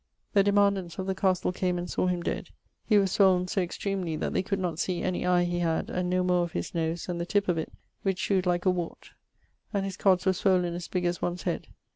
The demandants of the castle came and sawe him dead; he was swoln so extremely that they could not see any eie he had, and no more of his nose then the tip of it, which shewed like a wart, and his coddes were swoln as big as one's head.